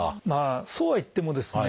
そうはいってもですね